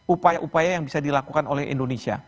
upaya upaya yang bisa dilakukan oleh indonesia